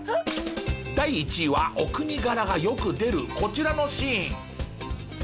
第１位はお国柄がよく出るこちらのシーン。